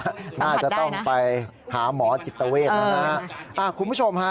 สังผัสได้นะน่าจะต้องไปหาหมอจิตเวทธ์นะเอออ่าคุณผู้ชมฮะ